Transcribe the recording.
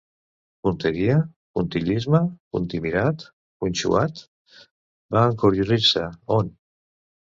Punteria, puntillisme, puntimirat, Punxuat? —va encuriosir-se— On